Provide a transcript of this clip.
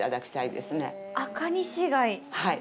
はい。